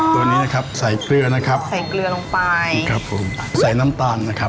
ตัวนี้นะครับใส่เกลือนะครับใส่เกลือลงไปครับผมใส่น้ำตาลนะครับ